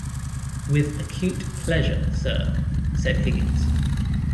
"With acute pleasure, sir," said Higgins.